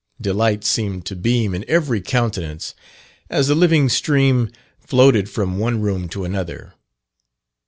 Delight seemed to beam in every countenance as the living stream floated from one room to another.